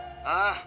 ああ。